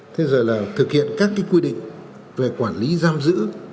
thế rồi là thực hiện các cái quy định về quản lý giam giữ